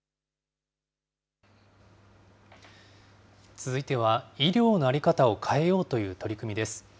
続いては、医療の在り方を変えようという取り組みです。